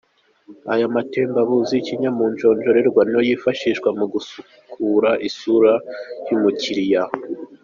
Aya matembabuzi y’ikinyamujongo niyo yifashishwa mu gusukura isura y’umukiriya.